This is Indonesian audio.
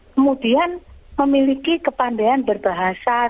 kemudian memiliki kepandaian berbahasa